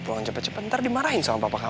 berani kita jadi busur macam sana